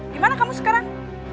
gimana kamu sekarang